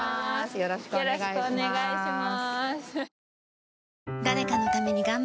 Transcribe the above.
よろしくお願いします